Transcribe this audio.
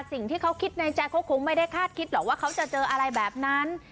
สิ่งที่เขาคิดในใจเขาคงไม่ได้คาดคิดหรอกว่าเขาจะเจออะไรแบบนั้น